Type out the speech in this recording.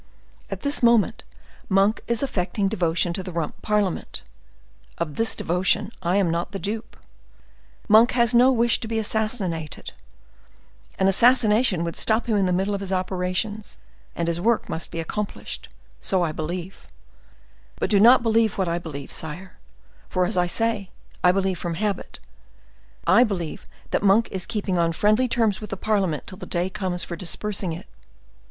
At this moment Monk is affecting devotion to the Rump Parliament; of this devotion, I am not the dupe. Monk has no wish to be assassinated,—an assassination would stop him in the middle of his operations; and his work must be accomplished;—so I believe—but do not believe what I believe, sire: for as I say I believe from habit—I believe that Monk is keeping on friendly terms with the parliament till the day comes for dispersing it.